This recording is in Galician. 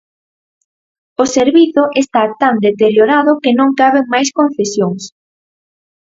O servizo está tan deteriorado que non caben máis concesións.